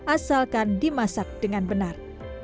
asalkan dimasak dengan benar